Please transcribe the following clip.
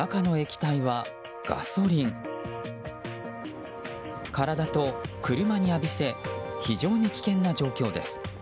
体と車に浴びせ非常に危険な状況です。